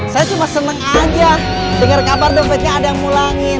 saya cuma seneng aja dengar kabar dompetnya ada yang ngulangin